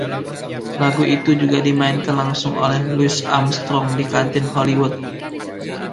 Lagu itu juga dimainkan langsung oleh Louis Armstrong di Kantin Hollywood.